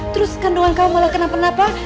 terus kandungan kau malah kenapa napa